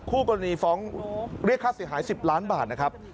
คู่กรณีฟ้องเรียกค่าเสียหาย๑๐ล้านบาทนะครับ